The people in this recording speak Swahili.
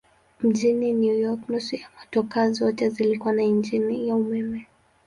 Mjini New York nusu ya motokaa zote zilikuwa na injini ya umeme.